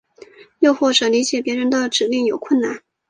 又或者理解别人的指令有困难。